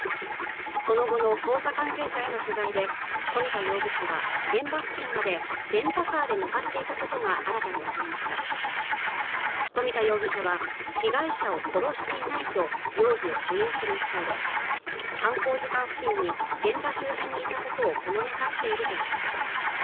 その後の捜査関係者への取材で冨田容疑者は現場付近までレンタカーで向かっていたことが新たに分かりました冨田容疑者は被害者を殺していないと容疑を否認する一方で犯行時間付近に現場周辺にいたことをほのめかしているということです